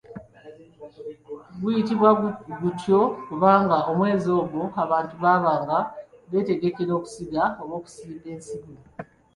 Guyitibwa gutyo kubanga omwezi ogwo abantu baabanga beetegekera okusiga oba okusimba ensigo.